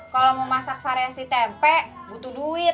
kalau mau masak variasi tempe butuh duit